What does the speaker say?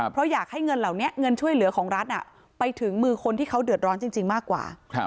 เพราะอยากให้เงินเหล่านี้เงินช่วยเหลือของรัฐไปถึงมือคนที่เขาเดือดร้อนจริงมากกว่า